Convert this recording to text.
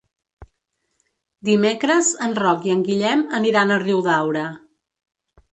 Dimecres en Roc i en Guillem aniran a Riudaura.